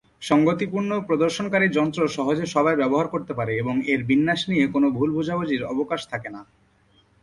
সঙ্গতিপূর্ণ প্রদর্শনকারী যন্ত্র সহজে সবাই ব্যবহার করতে পারে এবং এর বিন্যাস নিয়ে কোনও ভুল বোঝাবুঝির অবকাশ থাকে না।